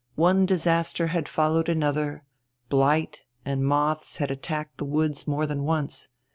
One disaster had followed another; blight and moths had attacked the woods more than once.